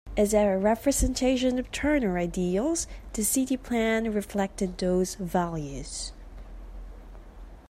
As a representation of Turner ideals, the city plan reflected those values.